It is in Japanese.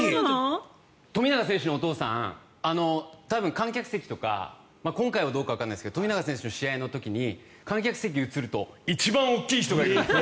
富永選手のお父さん多分、観客席とか今回はどうかわからないですけど富永選手の試合の時に観客席が映ると一番大きい人がいます。